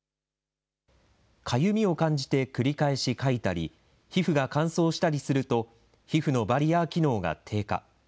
かゆみを感じて繰り返しかいたり、皮膚が乾燥したりすると、皮膚のバリアー機能が低下。